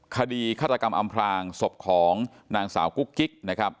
คดีฆาตกรรมอำพลางศพของนางสาวกุ๊กกิ๊กนะครับ